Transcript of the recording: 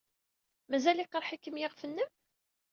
Mazal yeqreḥ-ikem yiɣef-nnem?